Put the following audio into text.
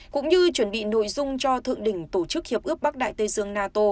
cũng như chuẩn bị nội dung cho thượng đỉnh tổ chức hiệp ước bắc đại tây dương nato